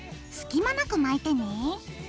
隙間なく巻いてね。